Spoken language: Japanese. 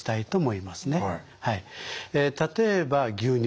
例えば牛乳。